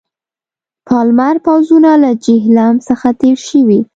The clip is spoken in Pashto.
پالمر پوځونه له جیهلم څخه تېر شوي.